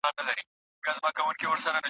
د غوښې کمول ستونزه نه بلکې حل دی.